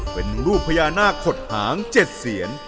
เป็นรูปพญานาคขดหาง๗เสียน